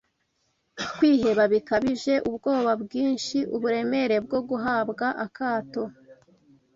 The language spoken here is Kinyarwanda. kwiheba bikabije, ubwoba bwinshi, uburemere bwo guhabwa akato